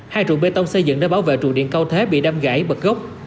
hai trụ bê tông xây dựng để bảo vệ trụ điện cao thế bị đâm gãy bật gốc